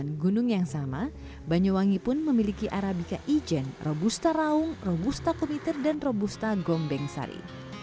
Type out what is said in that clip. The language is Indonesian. dengan kelelasan gunung yang sama banyuwangi pun memiliki arabika ijen robusta raung robusta kopiter dan robusta gombeng sari